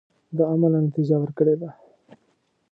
دا عملاً نتیجه ورکړې ده.